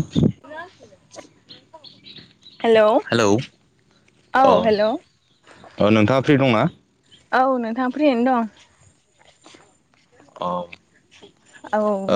[unintelligible] [inaudible] Hello औ अ- hello अ नोंथाङा फ्रि दंना? औ नोंथाङा फ्रियैनो दं। औ। औ-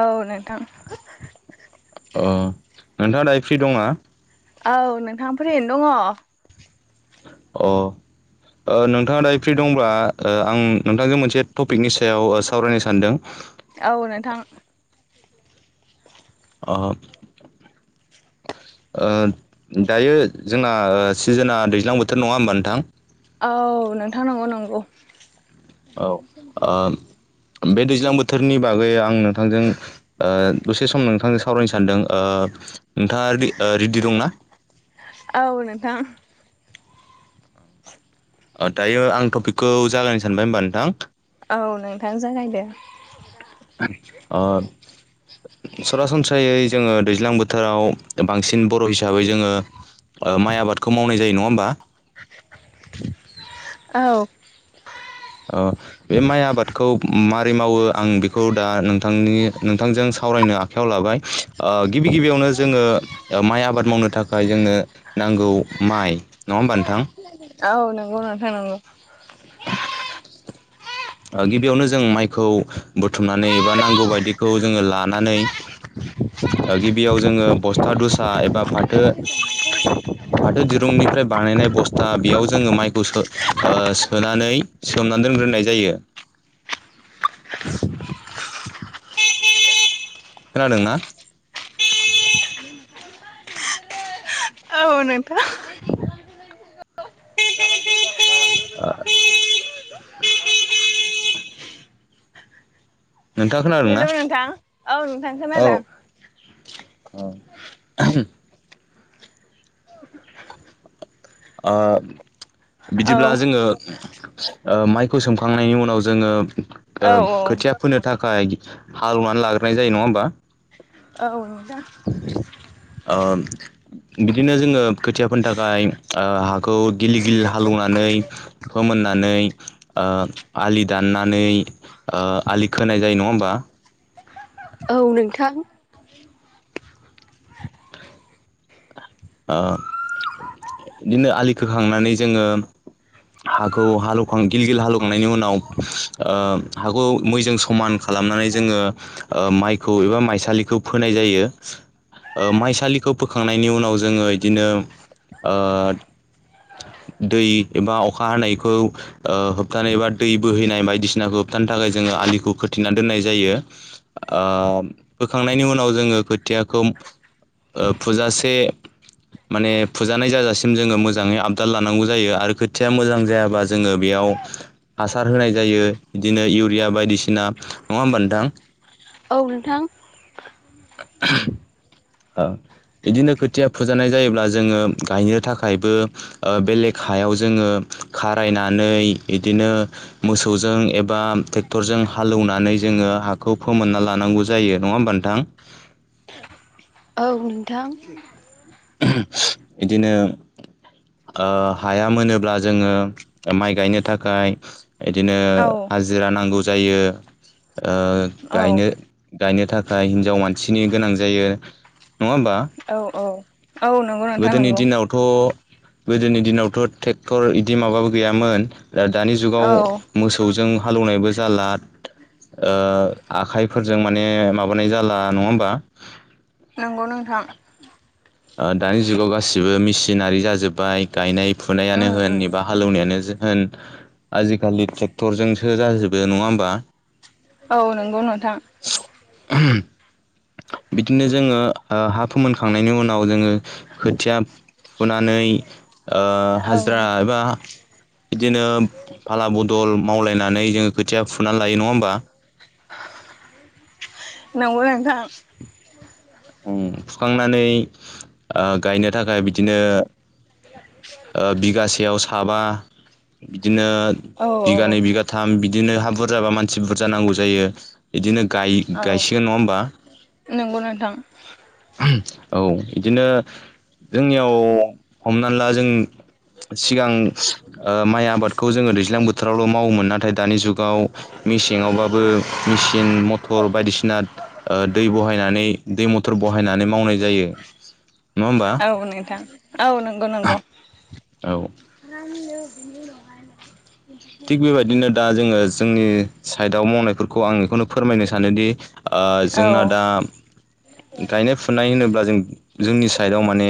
औ नोंथां। अ नोंथाङा दायो फ्रि दंना? औ नोंथां फ्रियैनो दङ। अ। ओ नोंथाङा दायो फ्रि दंब्ला ओ आं नोंथांजों मोनसे टपिकनि सायाव ओ सावरायनो सानदों। औ नोंथां। अ। ओ दायो जोंना सिजोना दैज्लां बोथोर नङा होमबा नोंथां? औ नोंथां नंगौ -नंगौ। औ ओ बे दैज्लां बोथोरनि बागै आं नोंथांजों ओ दसे सम नोंथांजों सावरायनो सान्दों ओ नोंथाङा रेडि दंना? औ नोंथां। दायो आं टपिकखौ जागायनो सानबाय होनबा नोंथां। औ नोंथां जागायदो। ओ सरासनस्रायै जोङो दैज्लां बोथोराव बांसिन बर' हिसाबै जोङो माइ आबादखौ मावनाय जायो नङा होनबा? औ। औ बे माइ आबादखौ मा -रै मावो आं बेखौ दा नोंथांजों सावरायनो आखायाव लाबाय गिबि -गिबियावनो जोङो माइ आबाद मावनो थाखाय जोंनो नांगौ माइ नङा होमबा नोंथां? औ नंगौ नोथां नांगौ। गिबियावनो जों माइखौ बुथुमनानै एबा नांगौ बायदिखौ जोङो लानानै गिबियाव जोङो बस्था दसा एबा फाथो फाथो दिरुंनिफ्राय बानायनाय बस्था बेयाव जोङो माइखौ सोनानै सोमनानै दोन ग्रोनाय जायो। खोनादोंना? औ नोंथां। ओ नोंथाङा खोनादों ना? हेलौ नोंथां औ नोंथां खोनादों। औ। औ बिदिब्ला जोङो माइखौ सोमखांनायनि उनाव जोङो औ औ खोथिया फोनो थाखाय हालौनानै लाग्रोनाय जायो नङा होमबा? औ नोंथां ओ बिदिनो जोङो खोथियाफोरनि थाखाय हाखौ गिल गिलि हालेवनानै फोमोन खनानै आलि दाननानै आलि खोनाय जायो नङा होमबा। औ नोंथां। बिदिनो आलि खोखांनानै जोङो हाखौ हालौवखां गिल गिल हालौखांनायनि उनाव हाखौ मैजों समान खालाम खालामनानै जोङो माइखौ एबा माइसालिखौ फोनाय जायो। माइसालिखौ फोखांनायनि उनाव जोङो बिदिनो [inaudible] दै एबा अखा हानायखौ होबथानाय एबा दै बोहैनाय बायदिसिनाखौ होबथानो थाखाय जोङो आलिखौ खोथिना दोननाय जायो बोखांनायनि उनाव जोङो खोथियाखौ फुजासे माने फुजानाय जाजासिम जोङो मोजाङै आपदा लानांगौ जायो आरो खोथिया मोजां जायाबा जोङो बेयाव हासार होनाय जायो बिदिनो इउरिया बायदिसिना नङा होमबा नोंथां औ नोंथां औ बिदिनो खोथिया फुजानाय जायोब्ला जोङो गायनो थाखायबो बेलेग हायाव जोङो। खारायनानै बिदिनो मोसौजों एबा ट्रेक्टरजों हालौवनानै जों हाखौ फोमोनना लानांगौ जायो नङा होमबथां औ नोंथां बिदिनो हाया मोनोब्ला जोङो माइ गायनो थाखाय बिदिनो औ हाजिरा नांगौ जायो औ गायनो गायनो थाखाय हिनजाव मानसिनि गोनां जायो नङा होमबा औ औ औ नंगौ नोंथां गोदोनि नंगौ दिनावथ' गोदोनि दिनावथ' ट्रेक्टर बिदि माबाबो गैयामोन दा दानि जुगाव औ मोसौजों हालौवनायबो जाला। आखाइफोरजों माने माबानाय जाला नङा होमबा नंगौ नोंथां दानि जुगाव गासिबो मेसिनारि जाजोब्बाय गायनाय फुनायानो उम होन उम एबा हालौवनायानो ज आजिखालि ट्रेक्टरजोंसो जाजोबो नङा होमबा औ नंगौ नोंथां बिदिनो जोङो हा फोमोनखांनायनि उनाव जोङो खोथिया फुनानै औ हाजिरा एबा बिदिनो फाला बदल मावलायनानै जोङो खोथिया फुनानै लायो नङा होमबा नंगौ नोंथां। ओम फुखांनानै ओ गायनो थाखाय बिदिनो ओ बिगासेयाव साबा बिदिनो ओ औ औ बिघानै बिगाथाम बिदिनो हा बुरजाबा मानसि बुरजा नांगौ जायो इदिनो औ गाय-गायसिगोन नङा होमबा नंगौ नोंथां औ इदिनो जोंनियाव हमनानै ला जों सिगां ओ माइ आबादखौ जोङो दैज्लां बोथोरावल' मावोमोन नाथाय दानि जुगाव मेसेङावबाबो मेसिन मथर बायदिसिना ओ दै बहायनानै दै मथ थर बहायनानै मावनाय जायो। नङा होमबा औ नोंथां औ नंगौ नंगौ। औ थिग बेबायदिनो दा जोङो जोंनि सायडाव मावनायफोरखौ आं एखौनो फोरमायनो सानोदि ओ औ जोंना दा गायनाय फुनाय होनोब्ला जों जोंनि साइडआव माने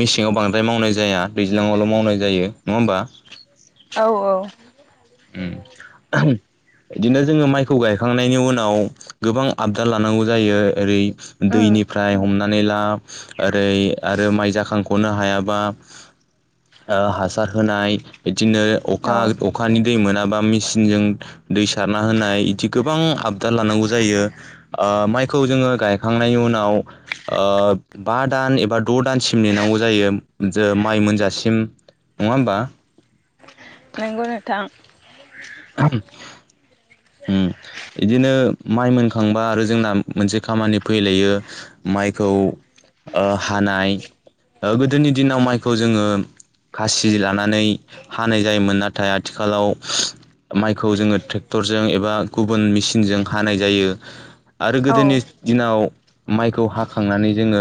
मेसेंङाव बांद्राय मावनाय जाया दैज्लाङावल' मावनाय जायो नङा होमबा? औ औ। उम। [unintelligible] इदिनो जोङो माइखौ गायखांनायनि उनाव गोबां आबदाल लानांगौ जायो ओरै दै उम निफ्राय हमनानै ला ओरै आरो माइ जाखांख'नो हायाबा ओ हासार होनाय इदिनो अखा औ अखानि दै मोनाबा मिसिनजों दै सारना होनाय इदि गोबां आबदाल लानांगौ जायो। ओ ओ माइखौ जोङो गायखांनायनि उनाव ओ बा दान एबा द' दानसिम नेनांगौ जायो जो माइ मोनजासिम। नङा होमबा? गौ नोंथां। [unintelligible] उम। इदिनो माइ मोनखांबा आरो जोंना मोनसे खामानि फैलायो माइखौ ओ हानाय ओ गोदोनि दिनाव माइखौ जोङो खासि लानानै हानाय जायोमोन नाथाय आथिखालाव माइखौ जोङो टेक्टरजों एबा गुबुन मिसिनजों हानाय जायो। आरो औ गोदोनि दिनाव माइखौ हाखांनानै जोङो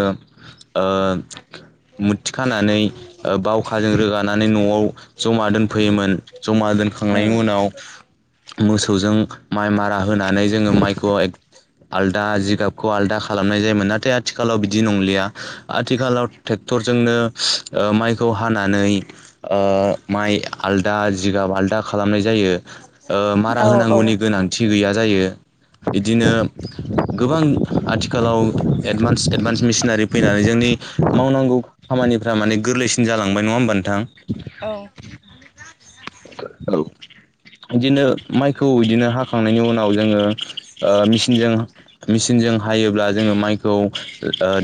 ओ मुथ्थि खानानै ओ बावखाजों रोगानानै न'आव जमा दोनफैयोमोन। जमा दोनखांनायनि उम उनाव मोसौजों माइ मारा होनानै जोङो माइखौ आलदा जिगाबखौ आलदा खालामनाय जायोमोन नाथाय आथिखालाव बिदि नंलिया आथिखालाव टे क्टर जोंनो ओ माइखौ हानानै ओ माइ आलदा जिगाब आल दा खालामनाय जायो। ओ मारा औ औ होनांगौनि गोनांथि गैया जायो इदिनो गोबां आथिखालाव एडभान्स एडभान्स मिसनारि फैनानै जोंनि मावनांगौ खामानिफ्रा माने गोरलैसिन जालांबाय नङा होमबा नोंथां? औ औ। इदिनो माइखौ इदिनो हाखांनायनि उनाव जोङो ओ मिचिनजों मिसिनजों हायोब्ला जोङो माइखौ ओ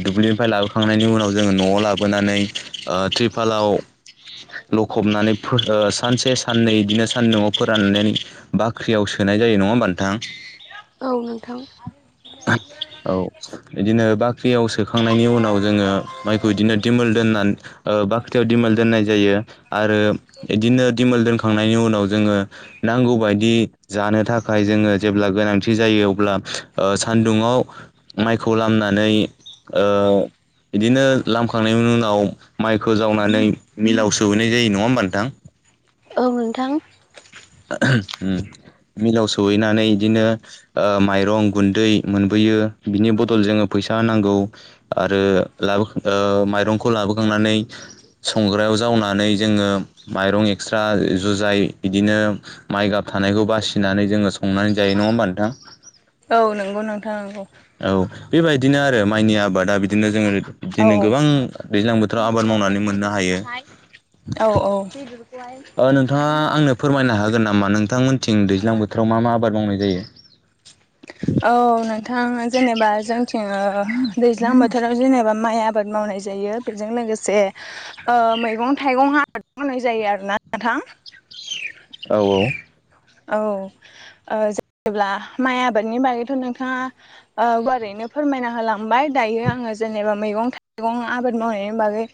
दुब्लिनिफ्राय लाबोखांनायनि उनाव जोङो न'आव लाबोना नै ओ टिर्भालाव लखबनानै फो ओ सानसे साननै इदिनो सानदुंआव फोराननानै बाख्रियाव सोनाय जायो नङा होमबा नोंथां? औ नोंथां। [unintelligible] औ इदिनो बाख्रियाव सोखांनायनि उनाव जोङो माइखौ इदिनो दिमोल दोनना ओ ओ बाख्रियाव दिमोल दोननाय जायो आरो इदिनो दिमोल दोनखांनायनि उनाव जोङो नांगौ बायदि जानो थाखाय जोङो जेब्ला गोनांथि जा यो अब्ला ओ सान्दुुङाव माइखौ लामनानै ओ इदिनो लामखांनायनि उनाव माइखौ जावनानै मिलाव सौहैनाय जायो नङा होमबा नोंथां? आं नोंथां। ओहो होम। मिलाव सौहैनानै इदिनो ओ माइरं गुन्दै मोनबोयो बिनि बदल जोङो फै सा होनांगौ आरो लाबो ओ माइरंखौ लाबोखांनानै संग्रायाव जावनानै जोङो माइरं एक्सट्रा जुजाय इदिनो माइगाब थानायखौ बासिनानै जोङो संनानै जायो नङा होमबा नोंथां। औ नंगौ नोंथां नंगौ। औ बेबायदिनो आरो माइनि आबादा बिदिनो जोङो औ बिदिनो गोबां दैज्लां बोथोराव आबाद मावनानै मोननो हायो। औ औ ओ नोंथाङा आंनो फोरमायनो हागोन नामा नोंथांमोनथिं दैज्लां बोथोराव मा मा आबाद मावनाय जायो। औ नोंथां जेनेबा जोंथिं दैज्लां बोथोराव जेनेबा माय आबाद मावनाय जायो बेजों लोगोसे ओ मैगं थाइगं आ बाद मावनाय जायो आरो ना नोंथां। औ औ औ ओ जेब्ला माइ आबादनि बागैथ' नोंथांङा ओ गुवारैनो फोरमायना होलांबाय दायो आङो जेनेबा मैगं थाइगं आबाद मावनायनि बागै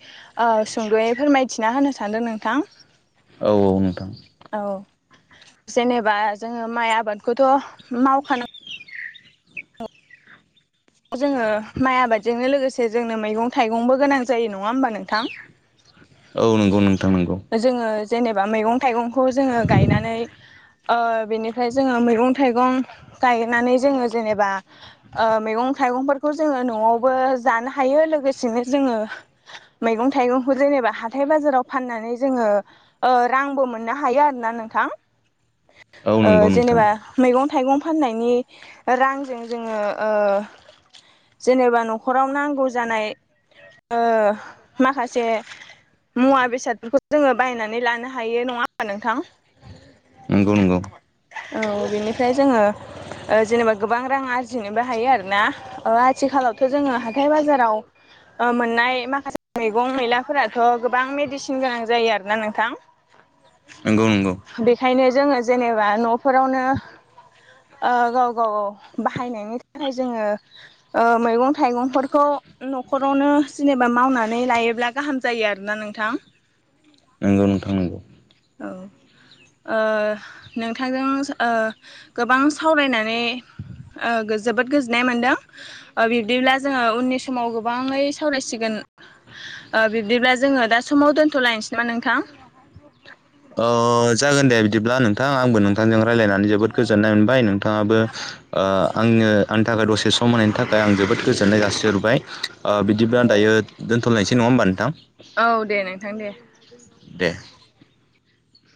ओ सुंद'यै फोरमायथिना होनो सानदों नोंथां। औ औ नोंथां। औ जेनेबा जोङो माइ आबादखौथ' मावखानो जोङो माइ आबादजोंनो लोगोसे जोंनो मैगं थाइगंबो गोनां जायो नङ आ होमबा नोंथां। औ नंगौ नोंथां नंगौ जोङो जेनेबा मैगं थाइगंखौ जोङो गायनानै ओ बेनिफ्राय जोङो मैगं थाइगं गायनानै जोङो जेनेबा ओ मैगं थाइगंफोरखौ जोङो न'आवबो जानो हायो लोगोसेनो जोङो मैगं थाइगंखौ जन नेबा हाथाय बाजाराव फाननानै जोङो रांबो मोननो हायो आरोना नोंथां। [inaudible] ओ नंगौ नोंथां जेनेबा मैगं थाइगं फाननायनि रांजों जोङो ओ जेनेबा न'खराव नांगौ जानाय ओ माखासे मुवा बेसादफोरखौ जोङो बायनानै लानो हायो नङा होमबा नोंथां। नंगौ नंगौ। औ बेनिफ्राय ओ जोङो जेनेबा गोबां रां आरजिनोबो हायो आरोना। ओ आथिखालावथ' जोङो हाथाय बाजाराव ओ मोननाय माखासे मैगं मैलाफोराथ' गोबां मेडिसिन गोनां जायो आरोना नोंथां। नंगौ नंगौ बेखायनो जोङो जेनेबा न'फोरावनो ओ गाव गाव बाहायनायनि थाखाय जोङो [inaudible] ओ मैगं थाइगंफोरखौ न'खरावनो जेनेबा मावनानै लायोब्ला गाहाम जायो आरोना नोंथां। नंगौ नोंथां नंगौ। औ ओ नोंथांजों ओ गोबां सावरायनानै ओ जोबोद गोजोननाय मोनदों ओ बिब्दिब्ला जोङो उननि समाव गोबाङै सावरायसिगोन ओ बिब्दिब्ला जोङो दा समाव दोनथ'लायनोसै नामा नोंथां? अ जागोन दे बिदिब्ला नोंथां आंबो नोंथांजों रायजलायनानै जोबोद गोजोननाय मोनबाय नोंथां ङाबो आंनो आंनि थाखाय दसे सम होनायनि थाखाय आं जोबोद गोजोननाय जासिहरबाय। ओ बिदिब्ला दायो दोनथ'नायसै नङा होमबा नोंथां। औ दे नोंथां दे। [inaudible]